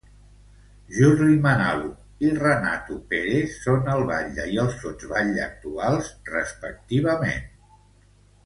Jurly Manalo i Renato Perez són el batlle i el sotsbatlle actuals, respectivament.